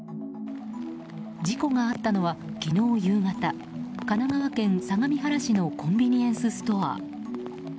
事故があったのは昨日夕方神奈川県相模原市のコンビニエンスストア。